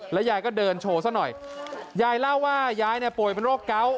ยายก็เดินโชว์ซะหน่อยยายเล่าว่ายายเนี่ยป่วยเป็นโรคเกาะ